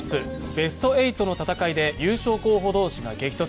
ベスト８の戦いで、優勝候補同士が激突。